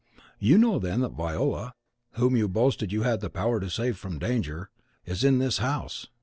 "You know then that Viola, whom you boasted you had the power to save from danger " "Is in this house!